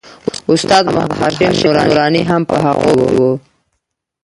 استاد محمد هاشم نوراني هم په هغوی کې و.